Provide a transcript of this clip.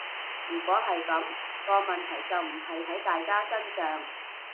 如果係噉，個問題就唔係喺大家身上